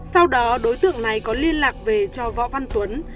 sau đó đối tượng này có liên lạc về cho võ văn tuấn